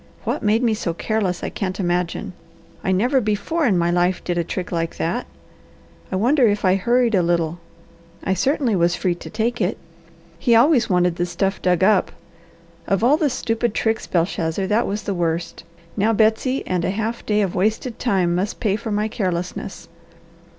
What made me so careless I can't imagine. I never before in my life did a trick like that. I wonder if I hurried a little. I certainly was free to take it. He always wanted the stuff dug up. Of all the stupid tricks, Belshazzar, that was the worst. Now Betsy and a half day of wasted time must pay for my carelessness.